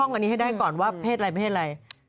ท้องกันนี้ให้ได้ก่อนว่าเผ็ดอะไรไม่เผ็ดอะไร